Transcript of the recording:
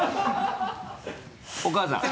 お母さん。